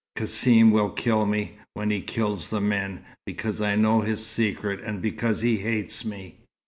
"Cassim will kill me, when he kills the men, because I know his secret and because he hates me.